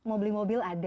mau beli mobil ada